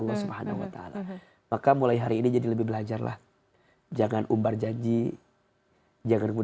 gapai kemuliaan masih akan kembali setelah yang satu ini